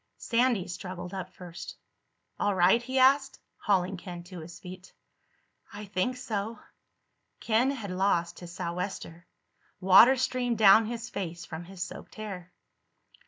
Sandy struggled up first. "All right?" he asked, hauling Ken to his feet. "I think so." Ken had lost his sou'wester. Water streamed down his face from his soaked hair.